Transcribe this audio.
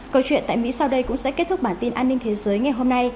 câu chuyện tại mỹ sau đây cũng sẽ kết thúc bản tin an ninh thế giới ngày hôm nay